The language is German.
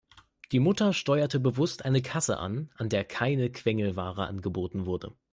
Die Mutter steuerte bewusst eine Kasse an, an der keine Quengelware angeboten wurde.